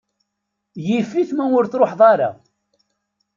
Yif-it ma ur truḥeḍ ara.